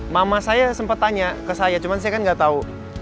mama saya sempat tanya ke saya cuma saya kan nggak tahu